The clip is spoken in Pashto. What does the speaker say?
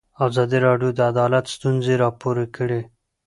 ازادي راډیو د عدالت ستونزې راپور کړي.